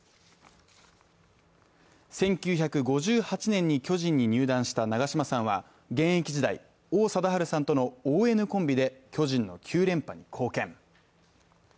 １９５８年に巨人に入団した長嶋さんは現役時代、王貞治さんとのＯＮコンビで巨人の９連覇に貢献。